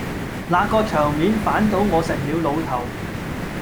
那個場面反倒我成了老頭